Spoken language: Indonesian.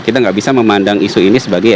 kita nggak bisa memandang isu ini sebagai